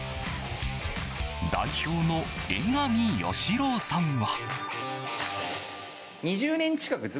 代表の江上喜朗さんは。